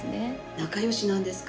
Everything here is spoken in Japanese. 仲よしなんですか。